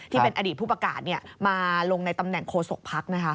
ที่เป็นอดีตผู้ประกาศมาลงในตำแหน่งโฆษกภักดิ์นะคะ